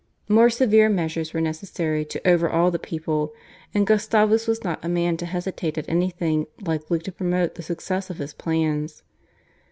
More severe measures were necessary to overawe the people, and Gustavus was not a man to hesitate at anything likely to promote the success of his plans.